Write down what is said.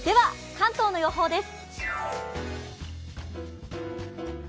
関東の予報です。